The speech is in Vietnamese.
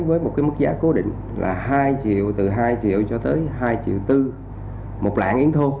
với một mức giá cố định là hai triệu từ hai triệu cho tới hai triệu bốn một lạng yến thô